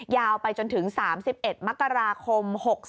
ยาวไปจนถึง๓๑มกราคม๖๒